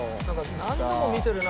何度も見てるな